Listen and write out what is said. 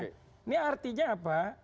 ini artinya apa